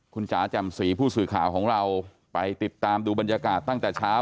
คุณจ๋าแจ่มสีผู้สื่อข่าวของเราไปติดตามดูบรรยากาศตั้งแต่เช้า